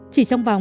chỉ trong vòng